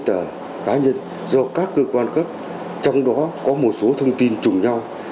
dữ liệu cá nhân do các cơ quan gấp trong đó có một số thông tin chung nhau